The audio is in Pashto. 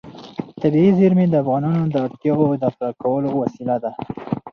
طبیعي زیرمې د افغانانو د اړتیاوو د پوره کولو وسیله ده.